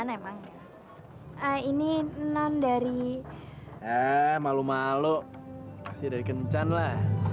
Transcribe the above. emang ini dari malu malu dari kencan lah